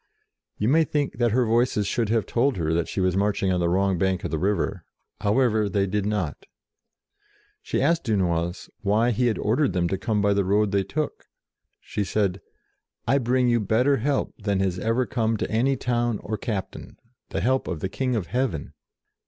You may think that her Voices should have told her that she was marching on the wrong bank of the river: however, they did not She asked Dunois why he had ordered them to come by the road they took. She said, "I bring you better help than has ever come to any town or captain, the help of the King of heaven."